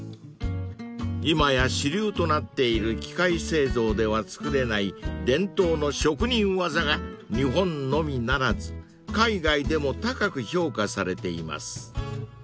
［今や主流となっている機械製造では作れない伝統の職人技が日本のみならず海外でも高く評価されています］